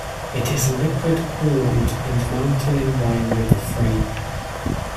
It is liquid-cooled and mounted inline with the frame.